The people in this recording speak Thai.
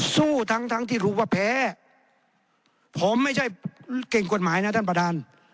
สู้ทั้งทั้งที่รู้ว่าแพ้ผมไม่ใช่เก่งกฎหมายนะท่านประธาน